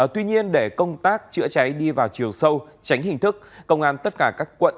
tuy nhiên để công tác chữa cháy đi vào chiều sâu tránh hình thức công an tất cả các quận